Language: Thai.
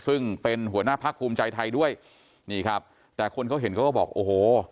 ซึ่งเป็นหัวหน้าพักภูมิใจไทยด้วยนี่ครับแต่คนเขาเห็นเขาก็บอกโอ้โห